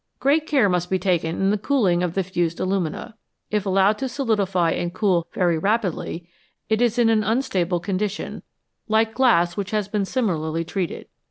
Great care must be taken in the cooling of the fused alumina ; if allowed to solidify and cool very rapidly, it is in an unstable condition, like glass which has been similarly treated.